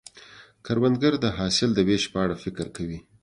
کروندګر د حاصل د ویش په اړه فکر کوي